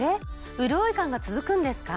うるおい感が続くんですか？